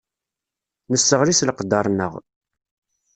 Nesseɣli s leqder-nneɣ.